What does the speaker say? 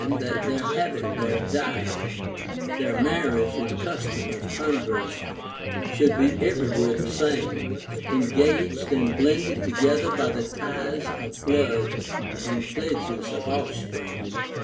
I. 31 482 OF THE FORTUNE OR VIRTUE that their habit, their diet, their marriage and custom of converse, should be everywhere the same, engaged and blended together by the ties of blood and pledges of offspring.